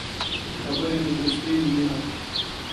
خبرې د دوستي بنیاد دی